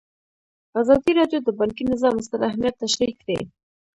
ازادي راډیو د بانکي نظام ستر اهميت تشریح کړی.